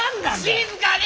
静かに！